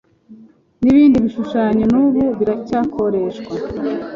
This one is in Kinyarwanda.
nibindi bishushanyo n'ubu biracyakoreshwa